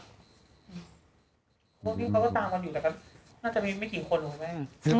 พวกนี้เขาก็ตามกันอยู่แต่ก็น่าจะมีไม่กี่คนคุณแม่